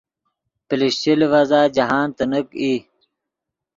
پلشچے لیڤزا جاہند تینیک ای